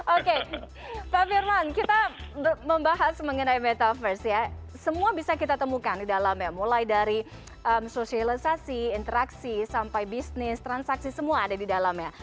oke pak firman kita membahas mengenai metaverse ya semua bisa kita temukan di dalamnya mulai dari sosialisasi interaksi sampai bisnis transaksi semua ada di dalamnya